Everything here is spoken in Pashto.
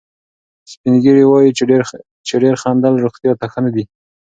سپین ږیري وایي چې ډېر خندل روغتیا ته ښه دي.